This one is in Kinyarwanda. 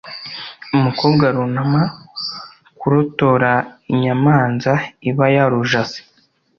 umukobwa arunama kurutora inyamanza iba yarujase,